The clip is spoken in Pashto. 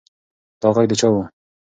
دا غږ د چا و؟